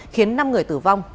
khiến năm người tử vong